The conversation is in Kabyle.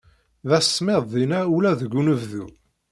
D asemmiḍ dinna ula deg unebdu.